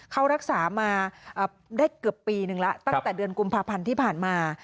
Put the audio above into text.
เขารักษามาได้เกือบปีนึงแล้วตั้งแต่เดือนกุมภาพันธ์ที่ผ่านมา